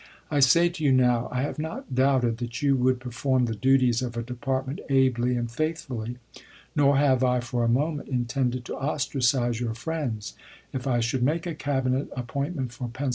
I say to you now I have not doubted that you would perform the duties of a Department ably and faithfully. Nor have I for a moment intended to ostracize your friends. If I should make a Cabinet appointment for Penn.